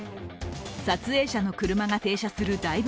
撮影者の車が停車するだいぶ